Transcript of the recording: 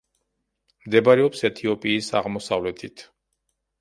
მდებარეობს ეთიოპიის აღმოსავლეთით.